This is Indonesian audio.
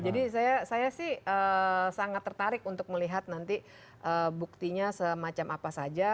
jadi saya sih sangat tertarik untuk melihat nanti buktinya semacam apa saja